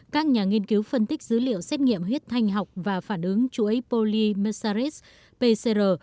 các nhà nghiên cứu phân tích dữ liệu xét nghiệm huyết thanh học và phản ứng chuỗi polymercerase pcr